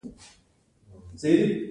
که څوک یو شی تولید کړي او پخپله یې مصرف کړي